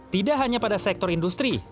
tidak hanya pada sektor industri